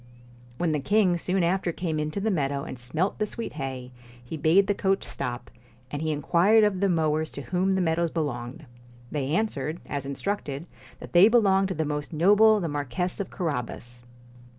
When the king soon after came into the meadow and smelt the sweet hay, he bade the coach stop, and he inquired of the mowers to whom the meadows belonged. They answered, as instructed, that they belonged to the most noble the Mar quess of Carabas.